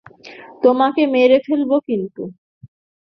তোমাকে মেরে ফেলবো কিন্তু!